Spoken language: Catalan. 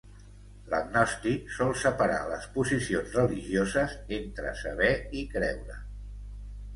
L'agnòstic sol separar les posicions religioses entre saber i creure.